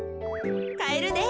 かえるで。